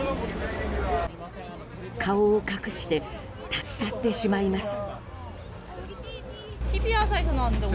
顔を隠して立ち去ってしまいます。